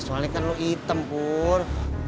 soalnya kan lo item pur